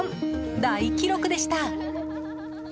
大記録でした。